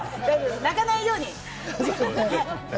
泣かないように。